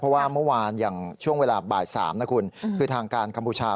เพราะว่าเมื่อวานอย่างช่วงเวลาบ่าย๓นะคุณคือทางการกัมพูชา